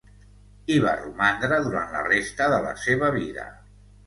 Hi va romandre durant la resta de la seva vida.